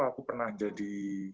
aku pernah jadi